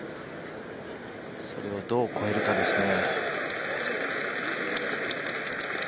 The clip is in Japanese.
それをどう越えるかですね。